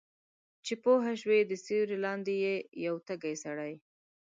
چې پوهه شوه د سیوری لاندې یې یو تږی سړی